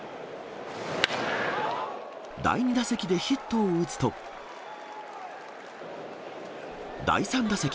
第２打席でヒットを打つと、第３打席。